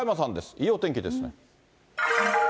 いいお天気ですね。